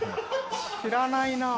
知らないなあ。